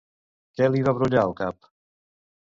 Què li va brollar al cap?